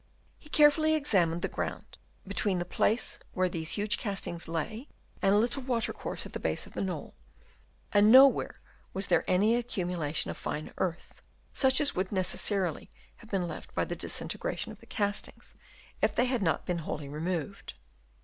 He carefully examined the ground between the place where these huge castings lay, and a little water course at the base of the knoll, and nowhere was there any accumulation of fine earth, such as would necessarily have been left by the disintegration of the castings if they had not been wholly removed.